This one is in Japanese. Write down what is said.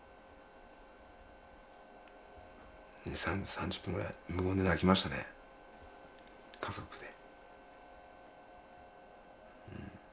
３０分ぐらい無言で泣きましたね家族で。